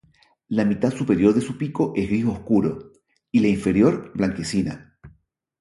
La mitad superior de su pico es gris oscuro y la inferior blanquecina.